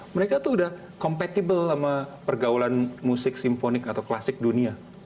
mereka tuh udah compatible sama pergaulan musik simfonik atau klasik dunia